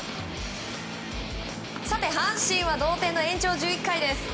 阪神は同点の延長１１回です。